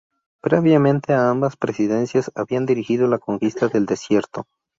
Previamente a ambas presidencias había dirigido la Conquista del Desierto.